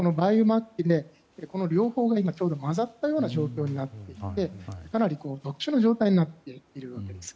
この両方が今、ちょうど混ざったような状況になっていてかなり特殊な状態になっているわけです。